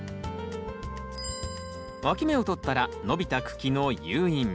わき芽をとったら伸びた茎の誘引。